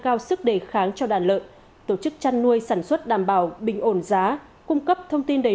cao sức đề kháng cho đàn lợn tổ chức chăn nuôi sản xuất đảm bảo bình ổn giá cung cấp thông tin đầy